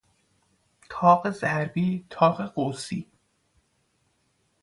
تاق ضربی، تاق قوسی